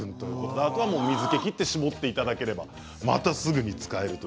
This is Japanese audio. あとは水けを切って絞っていただければまたすぐに使えると。